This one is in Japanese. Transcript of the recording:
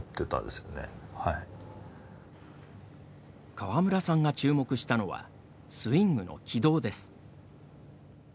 川村さんが注目したのはスイングの軌道です。